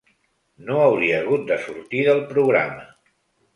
No hauria hagut de sortir del programa.